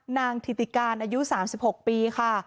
ถิติการอายุ๓๖ปีค่ะ